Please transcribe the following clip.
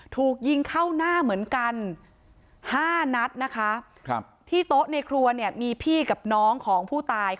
ถูกยิงเข้าหน้าเหมือนกัน๕นัดนะคะที่โต๊ะในครัวเนี่ยมีพี่กับน้องของผู้ตาย